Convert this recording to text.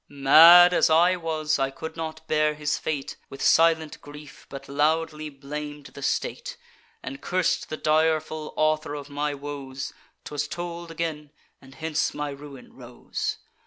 Mad as I was, I could not bear his fate With silent grief, but loudly blam'd the state, And curs'd the direful author of my woes. 'Twas told again; and hence my ruin rose.